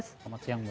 selamat siang mbak